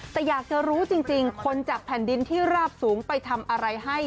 แต่อยากจะรู้จริงคนจากแผ่นดินที่ราบสูงไปทำอะไรให้